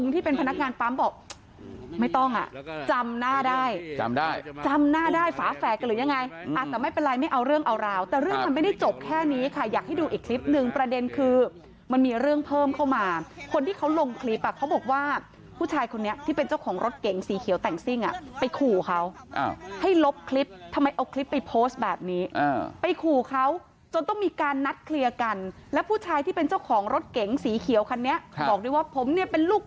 แต่เรื่องทำไม่ได้จบแค่นี้ค่ะอยากให้ดูอีกคลิปนึงประเด็นคือมันมีเรื่องเพิ่มเข้ามาคนที่เขาลงคลิปเขาบอกว่าผู้ชายคนนี้ที่เป็นเจ้าของรถเก่งสีเขียวแต่งซิ่งไปขู่เขาให้ลบคลิปทำไมเอาคลิปไปโพสต์แบบนี้ไปขู่เขาจนต้องมีการนัดเคลียร์กันและผู้ชายที่เป็นเจ้าของรถเก่งสีเขียวคันนี้บอกได้ว่าผมเป็นลูกห